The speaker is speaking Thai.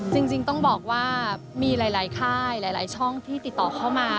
จริงต้องบอกว่ามีหลายค่ายหลายช่องที่ติดต่อเข้ามา